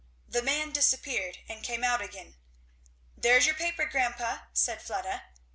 The man disappeared and came out again. "There's your paper, grandpa," said Fleda.